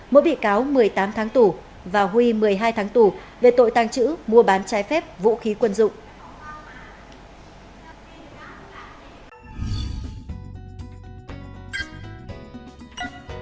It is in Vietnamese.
mỗi bị cáo một mươi tám tháng tù và huy một mươi hai tháng tù về tội tăng trữ mua bán trái phép vũ khí quân dụng